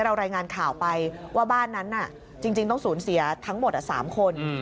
เรารายงานข่าวไปว่าบ้านนั้นน่ะจริงต้องศูนย์เสียทั้งหมดอ่ะ๓คน